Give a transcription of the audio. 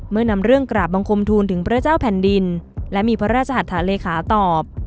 นำเรื่องกราบบังคมทูลถึงพระเจ้าแผ่นดินและมีพระราชหัตถาเลขาตอบ